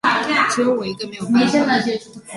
只有我一个没有办法